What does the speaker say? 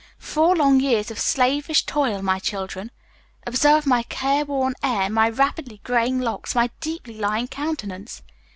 Four long years of slavish toil, my children. Observe my careworn air, my rapidly graying locks, my deeply lined countenance."